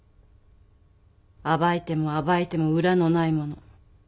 暴いても暴いても裏のないもの。